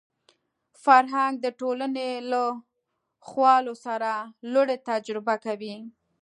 فرهنګ د ټولنې له خوالو سره لوړې تجربه کوي